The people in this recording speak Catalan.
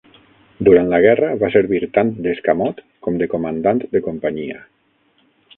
Durant la guerra va servir tant d'escamot com de comandant de companyia.